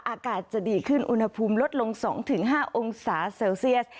อากาศจะดีขึ้นอุณหภูมิลดลง๒๕องศาเซลเซียส